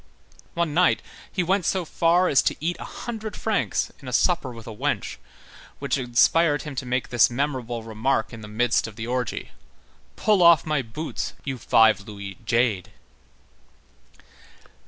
One night, he went so far as to eat a "hundred francs" in a supper with a wench, which inspired him to make this memorable remark in the midst of the orgy: "Pull off my boots, you five louis jade."